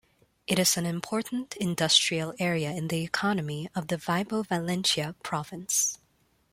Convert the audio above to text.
It is an important industrial area in the economy of the Vibo Valentia province.